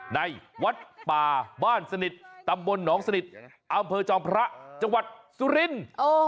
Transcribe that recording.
ในวัดป่าบ้านสนิทตำบลหนองสนิทอำเภอจอมพระจังหวัดสุรินทร์